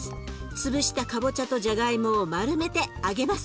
潰したかぼちゃとじゃがいもを丸めて揚げます。